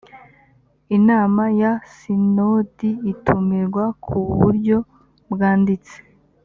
inama ya sinodi itumirwa ku buryo bwanditse